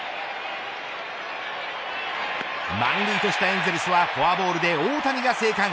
満塁としたエンゼルスはフォアボールで大谷が生還。